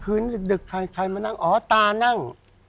เมื่อคืนดึกใครมานั่งอ๋อตานั่ง